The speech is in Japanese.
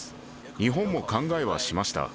日本も考えはしました。